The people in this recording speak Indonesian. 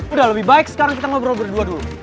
udah lebih baik sekarang kita ngobrol berdua dulu